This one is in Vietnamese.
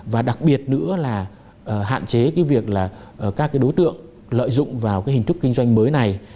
và đặc biệt nữa là hạn chế cái việc là các cái đối tượng lợi dụng vào cái hình thức kinh doanh mới này